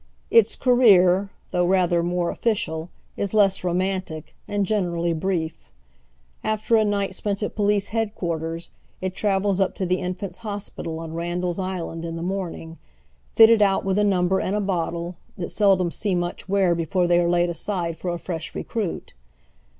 Its career, thongh rather more official, is less romantic, and gener ally brief. After a night spent at Police Headquarters it travels up to the Infants' Hospital on Randall's Island in the morning, fitted out with a number and a bottle, that seldom see inucli wear before they are laid aside for a fresh recruit.